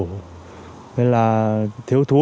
thế là thiếu thú